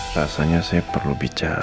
rasanya saya perlu bicara sama elsa